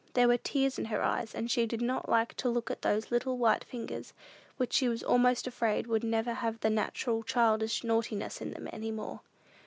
There were tears in her eyes, and she did not like to look at those little white fingers, which she was almost afraid would never have the natural, childish naughtiness in them any more.